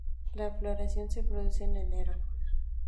La floración se produce en enero.